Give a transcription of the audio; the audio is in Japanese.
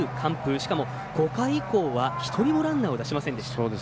しかも、５回以降は１人もランナーを出しませんでした。